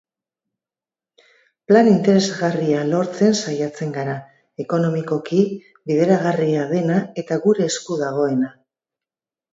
Plan interesgarria lortzen saiatzen gara, ekonomikoki bideragarria dena eta gure esku dagoena.